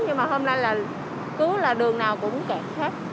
nhưng mà hôm nay là cứ là đường nào cũng kẹt hết